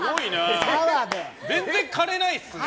全然、枯れないですね。